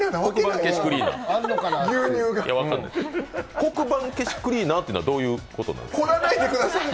黒板消しクリーナーっていうのはどういうことなんですかね？